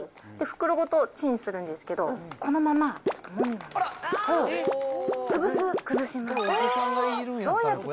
袋ごとチンするんですけど、このままもみもみして。